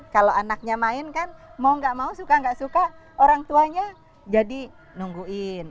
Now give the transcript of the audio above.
kalau anaknya main kan mau gak mau suka nggak suka orang tuanya jadi nungguin